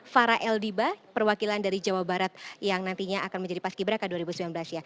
fara eldiba perwakilan dari jawa barat yang nantinya akan menjadi paski braka dua ribu sembilan belas ya